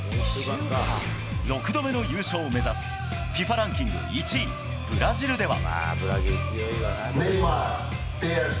６度目の優勝を目指す、ＦＩＦＡランキング１位、ブラジルでは。